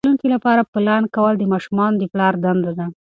د راتلونکي لپاره پلان کول د ماشومانو د پلار دنده ده.